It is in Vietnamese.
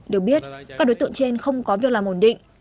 được biết các đối tượng trên không có việc làm ổn định